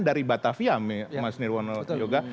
dari batavia mas nirwono yoga